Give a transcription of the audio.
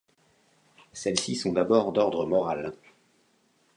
Celles-ci sont d'abord d'ordre moral.